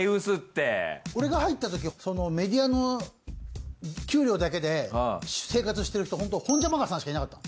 俺が入ったときそのメディアの給料だけで生活してる人ホントホンジャマカさんしかいなかったの。